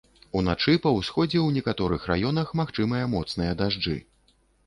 Уначы па ўсходзе ў некаторых раёнах магчымыя моцныя дажджы.